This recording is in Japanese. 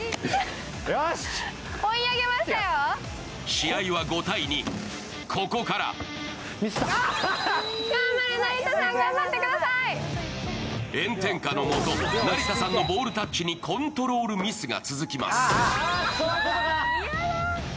試合は５−２、ここから炎天下の下、成田山のボールタッチにコントロールミスが続きます。